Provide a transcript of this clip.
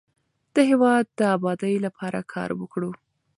د هیواد د ابادۍ لپاره کار وکړو.